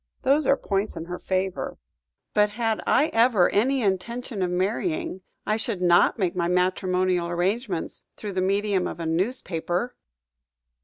Those are points in her favour. But, had I ever any intention of marrying, I should not make my matrimonial arrangements through the medium of a newspaper!"